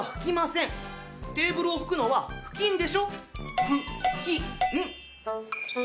テーブルを拭くのは布巾でしょ？